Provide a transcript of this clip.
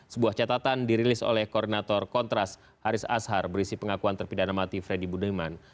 sebuah catatan dirilis oleh koordinator kontras haris ashar berisi pengakuan terpidana mati freddy budiman